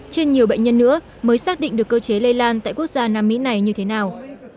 trên nhiều bệnh nhân nữa mới xác định được cơ chế lây lan tại quốc gia nam mỹ này như thế nào